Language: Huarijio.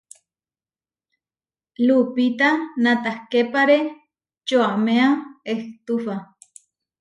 Lupita natahképare čoaméa ehtufa.